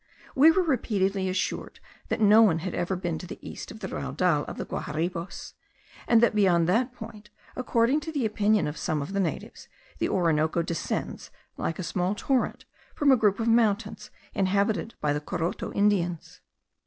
We were repeatedly assured that no one had ever been to the east of the Raudal of the Guaharibos; and that beyond that point, according to the opinion of some of the natives, the Orinoco descends like a small torrent from a group of mountains, inhabited by the Coroto Indians.